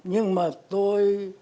nhưng mà tôi